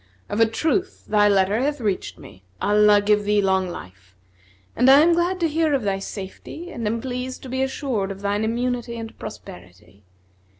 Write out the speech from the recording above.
Of a truth thy letter hath reached me (Allah give thee long life!) and I am glad to hear of thy safety and am pleased to be assured of thine immunity and prosperity.